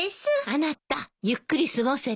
あなたゆっくり過ごせた？